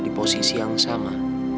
di posisi yang sama